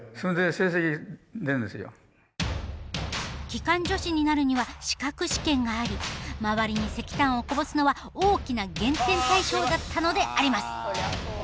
機関助士になるには資格試験があり周りに石炭をこぼすのは大きな減点対象だったのであります。